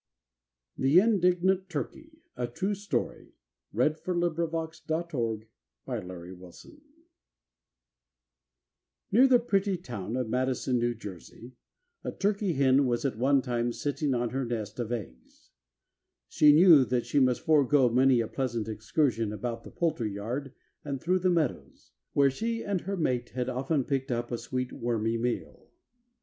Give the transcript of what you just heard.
THE INDIGNANT TURKEY. A TRUE STORY. Near the pretty town of Madison, N. J., a turkey hen was at one time sitting on her nest of eggs. She knew that she must forego many a pleasant excursion about the poultry yard and through the meadows, where she and her mate had often picked up a sweet wormy meal.